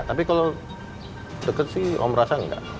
tapi kalau dekat sih om rasa enggak